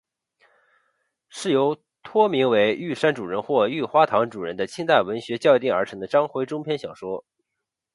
是由托名为玉山主人或玉花堂主人的清代文人校订而成的章回中篇小说。